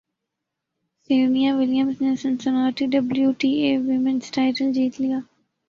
Serena Williams نے Cincinnati W T A women's title جیت لیا